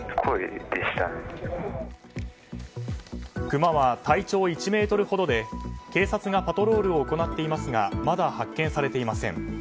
クマは体長１ｍほどで、警察がパトロールを行っていますがまだ発見されていません。